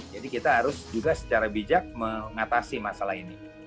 jadi kita harus juga secara bijak mengatasi masalah ini